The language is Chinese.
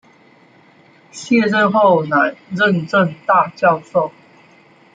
卸任后仍任政大教授。